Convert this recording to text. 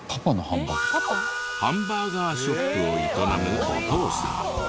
ハンバーガーショップを営むお父さん。